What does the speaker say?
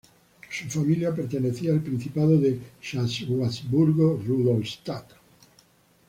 Su familia pertenecía al principado de Schwarzburgo-Rudolstadt.